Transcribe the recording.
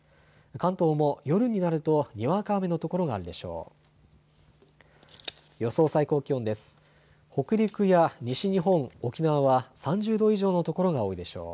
関東も夜になると、にわか雨の所があるでしょう。